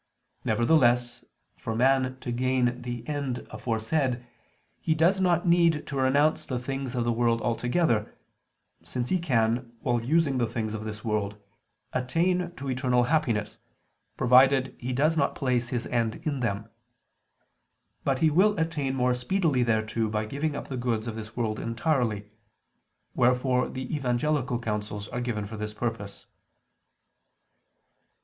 Nevertheless, for man to gain the end aforesaid, he does not need to renounce the things of the world altogether: since he can, while using the things of this world, attain to eternal happiness, provided he does not place his end in them: but he will attain more speedily thereto by giving up the goods of this world entirely: wherefore the evangelical counsels are given for this purpose.